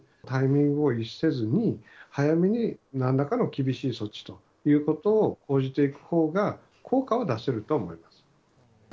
タイミングを逸せずに、早めになんらかの厳しい措置ということを講じていくほうが、効果は出せると思います。